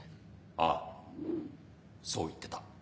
ああそう言ってた。